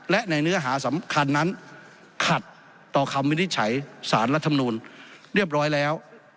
และในเนื้อหาสำคัญนั้นขัดต่อคำวินิจฉัยสารรัฐมนูลเรียบร้อยแล้ว